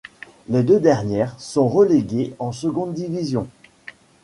Les deux dernières sont reléguées en seconde division.